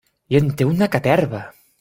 I en té una caterva!